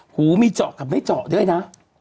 หูมีเจาะกับไม่เจาะด้วยนะ